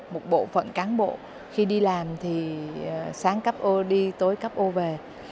một bộ phận cán bộ khi đi làm thì sáng cắp ô đi tối cắp ô về